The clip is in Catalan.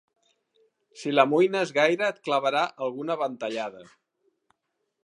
Si l'amoïnes gaire et clavarà alguna ventallada.